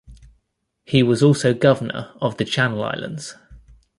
He was also governor of the Channel Islands.